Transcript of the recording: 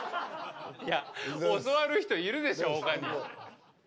いや、教わる人いるでしょ他に。